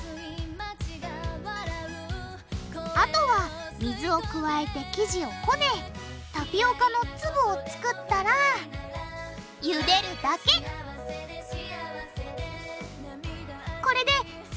あとは水を加えて生地をこねタピオカの粒を作ったらゆでるだけこれです